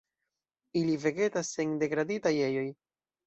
Ili vegetas en degraditaj ejoj.